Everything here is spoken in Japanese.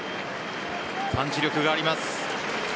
パンチ力があります。